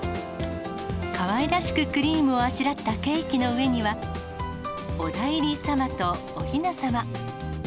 かわいらしくクリームをあしらったケーキの上には、お内裏様とおひなさま。